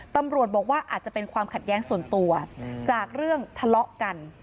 ตำรวจบอกว่าอาจจะเป็นความขัดแย้งส่วนตัวจากเรื่องทะเลาะกัน